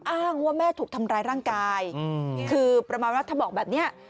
อ้างว่าแม่ถูกทำร้ายร่างกายคือประมาณว่าถ้าบอกแบบนี้